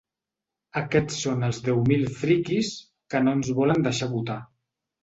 Aquests són els deu mil ‘friquis’ que no ens volen deixar votar.